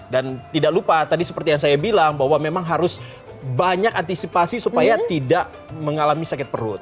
dan tidak lupa tadi seperti yang saya bilang bahwa memang harus banyak antisipasi supaya tidak mengalami sakit perut